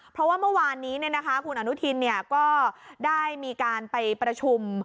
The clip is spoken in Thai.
เพราะว่าเมื่อวานนี้คุณอนุทินก็ได้มีการไปประชุม